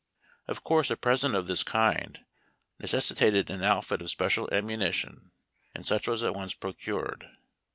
Of course a present of this kind necessitated an outfit of special ammunition, and such was at once procured.